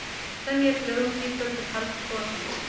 ښه نیت لرونکی تل د خلکو خوښ وي.